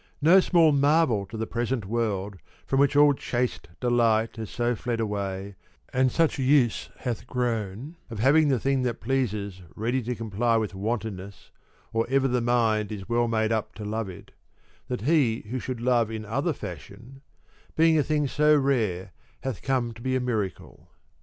No small marvel to the present world, from which all chaste delight has so fled away, and such use hath grown of having the thing that pleases ready to comply with wantonness or ever the mind is well made up to love it, that he who should love in other fashion, being a thing so rare, hath come to be a miracle.